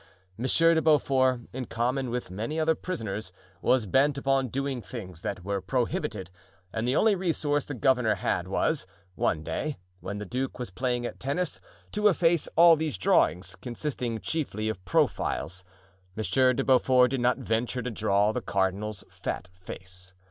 Monsieur de Beaufort, in common with many other prisoners, was bent upon doing things that were prohibited; and the only resource the governor had was, one day when the duke was playing at tennis, to efface all these drawings, consisting chiefly of profiles. M. de Beaufort did not venture to draw the cardinal's fat face.